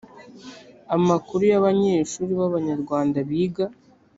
amakuru y abanyeshuri b abanyarwanda biga